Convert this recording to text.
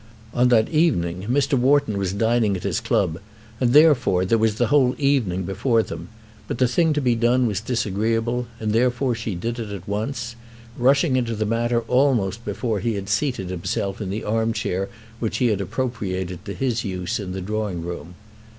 On that evening Mr. Wharton was dining at his club, and therefore there was the whole evening before them; but the thing to be done was disagreeable, and therefore she did it at once, rushing into the matter almost before he had seated himself in the arm chair which he had appropriated to his use in the drawing room.